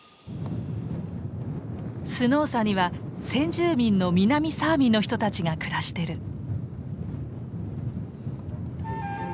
スノーサには先住民の南サーミの人たちが暮らしてる。